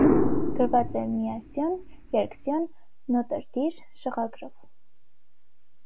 Գրված է միասյուն, երկսյուն, նոտրդիր, շղագրով։